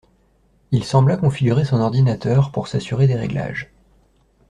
il sembla configurer son ordinateur pour s’assurer des réglages.